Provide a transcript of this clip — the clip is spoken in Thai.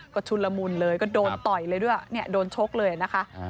ก็ชุนละมุนเลยก็โดนต่อยเลยด้วยเนี่ยโดนชกเลยนะคะ